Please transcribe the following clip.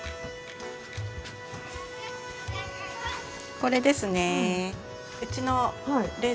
これですね。